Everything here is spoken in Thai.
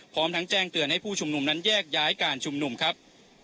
พร้อมทั้งแจ้งเตือนให้ผู้ชุมนุมนั้นแยกย้ายการชุมนุมครับ